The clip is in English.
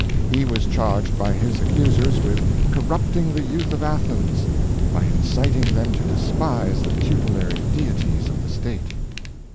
He was charged by his accusers with cor rupting the youth of Athens by inciting them to despise the tutelary deities of the state.